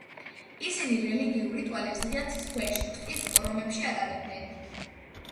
ისინი რელიგიურ რიტუალებს ღია ცის ქვეშ, ტყის კორომებში ატარებდნენ.